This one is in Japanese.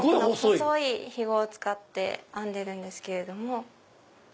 細いひごを使って編んでるんです。